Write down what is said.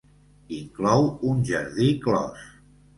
Inclou un jardí clos.